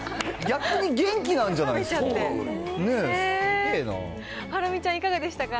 逆に元気なんじゃないですか。